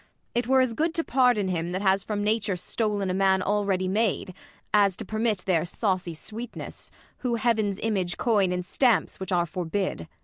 It were as good To pardon him that has from nature stol'n A man already made, as to permit Their saucy sweetness, Avho Heaven's image coin In stamps which are forbid.